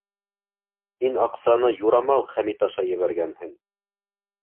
Һин аҡсаны юрамал Хәмит аша ебәргәнһең.